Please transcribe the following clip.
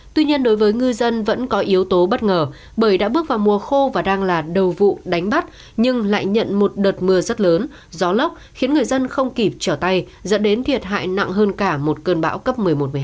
tuy nhiên đối với ngư dân vẫn có yếu tố bất ngờ bởi đã bước vào mùa khô và đang là đầu vụ đánh bắt nhưng lại nhận một đợt mưa rất lớn gió lốc khiến người dân không kịp trở tay dẫn đến thiệt hại nặng hơn cả một cơn bão cấp một mươi một một mươi hai